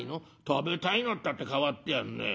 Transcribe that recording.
「食べたいのったって変わってやんね。